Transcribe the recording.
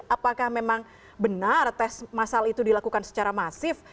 apakah memang benar tes masal itu dilakukan secara masif